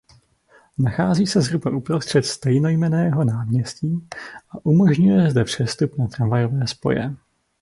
Nachází se zhruba uprostřed stejnojmenného náměstí a umožňuje zde přestup na tramvajové spoje.